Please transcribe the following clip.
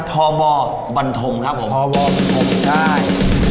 ทอบอร์บันธมครับผมทอบอร์บันธมใช่